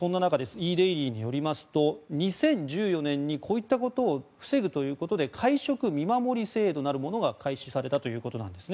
イー・デイリーによりますと２０１４年にこういったことを防ぐということで会食見守り制度なるものが開始されたということです。